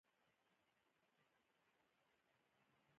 هره ورځ يې ټکي په ټکي په لږ لوړ غږ تکراروئ.